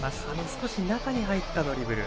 少し中に入ったドリブル。